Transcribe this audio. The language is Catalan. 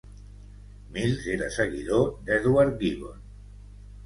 Mills era seguidor d'Edward Gibbon.